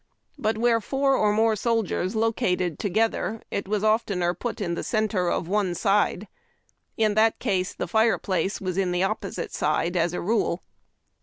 But where four or more soldiers located together it was oftener put in the centre of one side. In that case the fire place was in the opposite side as a rule.